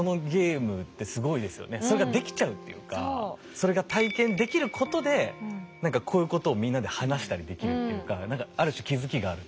それが体験できることで何かこういうことをみんなで話したりできるっていうか何かある種気付きがある。